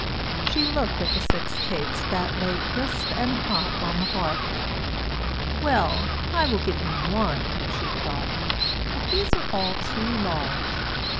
She looked at the six cakes that lay crisp and hot on the hearth. "Well, I will give him one," she thought, "but these are all too large."